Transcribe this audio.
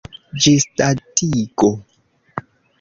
ĝisdatigo